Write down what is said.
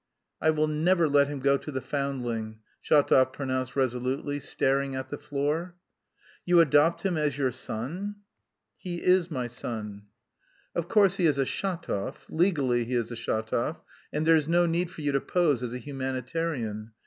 "I will never let him go to the Foundling," Shatov pronounced resolutely, staring at the floor. "You adopt him as your son?" "He is my son." "Of course he is a Shatov, legally he is a Shatov, and there's no need for you to pose as a humanitarian.